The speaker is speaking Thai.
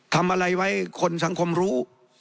ทำอะไรไว้คนสังคมรู้